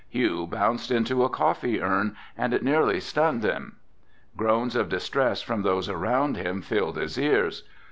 Hugh bounced into a coffee urn and it nearly stunned him. Groans of distress from those around him filled his ears.